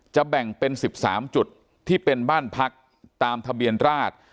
แบ่งเป็น๑๓จุดที่เป็นบ้านพักตามทะเบียนราช